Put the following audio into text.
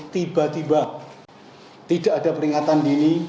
tiba tiba tidak ada peringatan dini